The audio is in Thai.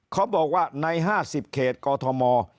เขาบอกว่าใน๕๐เขตกอทม